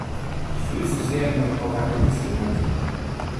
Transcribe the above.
Ich fühle so sehr mit der Protagonistin mit.